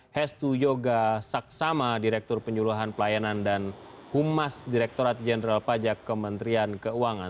hestu yoga saksama direktur penyuluhan pelayanan dan humas direkturat jenderal pajak kementerian keuangan